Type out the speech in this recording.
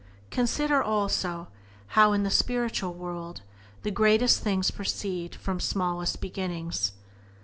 Consider, also, how in the spiritual world the greatest things proceed from smallest beginnings.